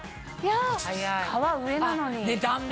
皮上なのに。